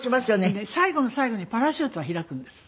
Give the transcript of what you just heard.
で最後の最後にパラシュートが開くんです。